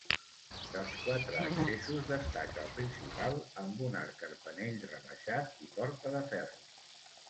Dels quatre accessos destaca el principal amb un arc carpanell rebaixat i porta de ferro.